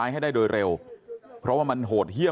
ชาวบ้านในพื้นที่บอกว่าปกติผู้ตายเขาก็อยู่กับสามีแล้วก็ลูกสองคนนะฮะ